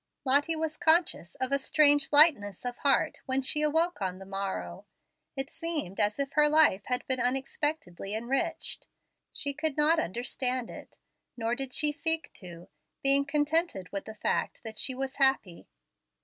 Lottie was conscious of a strange lightness of heart when she awoke on the morrow. It seemed as if her life had been unexpectedly enriched. She could not understand it, nor did she seek to, being contented with the fact that she was happy.